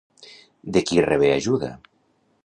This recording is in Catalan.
De qui rebé ajuda?